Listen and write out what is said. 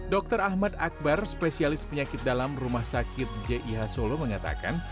dr ahmad akbar spesialis penyakit dalam rumah sakit jih solo mengatakan